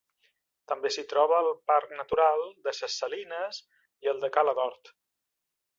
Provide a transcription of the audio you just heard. També s'hi troba el parc natural de ses Salines i el de Cala d'Hort.